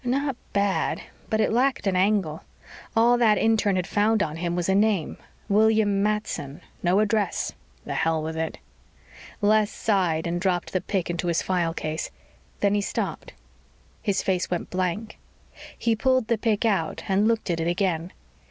Not bad, but it lacked an angle. All that intern had found on him was a name. William Matson. No address. The hell with it. Les sighed and dropped the pic into his file case. Then he stopped. His face went blank. He pulled the pic out and looked at it again.